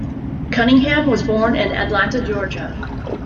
Cunningham was born in Atlanta, Georgia.